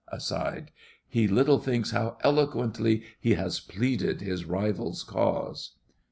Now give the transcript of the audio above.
(Aside.) He little thinks how eloquently he has pleaded his rival's cause!